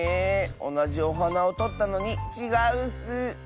おなじおはなをとったのにちがうッス！